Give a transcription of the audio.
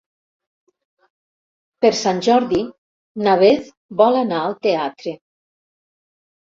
Per Sant Jordi na Beth vol anar al teatre.